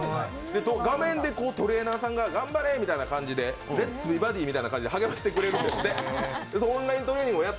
画面でトレーナーさんが頑張れみたいな感じで、「Ｌｅｔ’ｓ！美バディ」みたいな感じで励ましてくれるんですって。